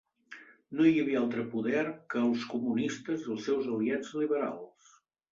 No hi havia altre poder que el comunistes i els seus aliats liberals